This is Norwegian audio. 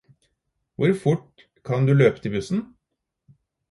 Hvor fort kan du løpe til bussen?